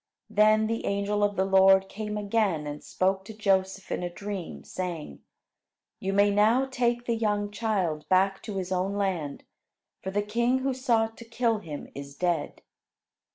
Then the angel of the Lord came again and spoke to Joseph in a dream, saying: "You may now take the young child back to his own land, for the king who sought to kill him is dead."